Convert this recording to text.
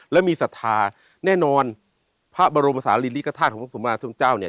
แล้วมีศรัทธาแน่นอนพระบรมศาลิฤทธาคค์ของสุมมามคราช่างเจ้าเนี่ย